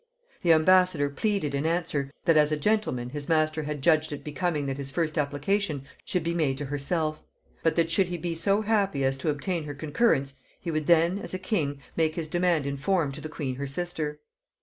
The ambassador pleaded in answer, that as a gentleman his master had judged it becoming that his first application should be made to herself; but that should he be so happy as to obtain her concurrence, he would then, as a king, make his demand in form to the queen her sister.